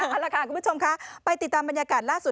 เอาล่ะค่ะคุณผู้ชมค่ะไปติดตามบรรยากาศล่าสุด